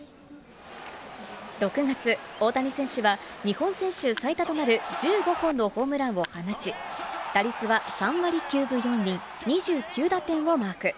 ６月、大谷選手は日本選手最多となる１５本のホームランを放ち、打率は３割９分４厘、２９打点をマーク。